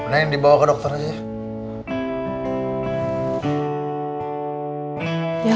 neng dibawa ke dokter aja ya